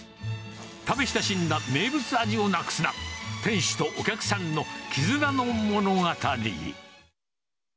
食べ親しんだ名物味をなくすな、店主とお客さんの絆の物語。